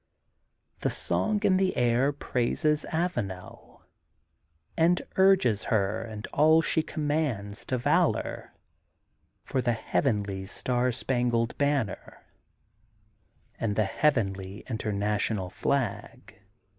The song in the air praises Avanel and urges her and all she commands to valor for the Heavenly Star Spangled Banner and the Heavenly International Flag.